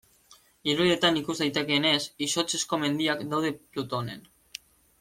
Irudietan ikus daitekeenez, izotzezko mendiak daude Plutonen.